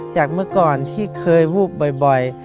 เมื่อก่อนที่เคยวูบบ่อย